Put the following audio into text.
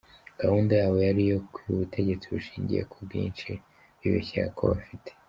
Gahunda yabo yari iyo kwiha ubutegetsi bushingiye “ku bwinshi” bibeshyaga ko bafite.